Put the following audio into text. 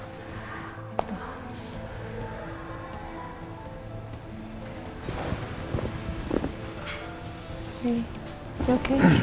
kamu baik baik saja